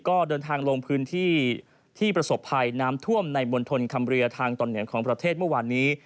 ก็เดินทางลงพื้นที่ที่ประสบภัยน้ำท่วมในบนทนคำเรือทางตอนเหนือของประเทศเมื่อวานนี้